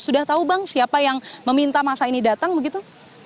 sudah tahu bang siapa yang meminta masa ini datang begitu